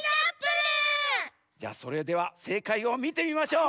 じゃあそれではせいかいをみてみましょう。